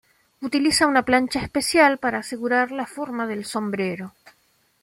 Utiliza una plancha especial para asegurar la forma del sombrero.